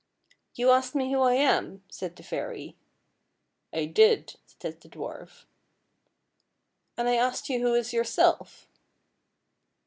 " You asked me who I am? " said the fairy. " I did," said the dwarf. " And I asked you who is yourself?